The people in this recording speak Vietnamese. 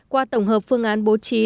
qua tổng hợp phương án bố trí